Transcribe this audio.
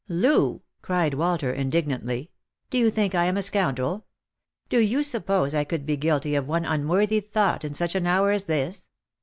" Loo !" cried Walter indignantly, " do you think I am a scoundrel ? Do you suppose I could be guilty of one unworthy thought in such an hour as this